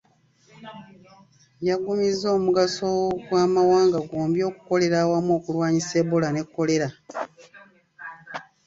Yaggumiza omugaso gw'amawanga gombi okukolera awamu okulwanyisa Ebola ne kolera.